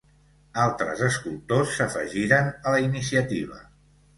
Altres escultors s'afegiren a la iniciativa.